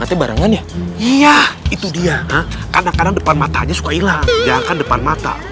iya itu dia kadang kadang depan mata aja suka hilang jangan kan depan mata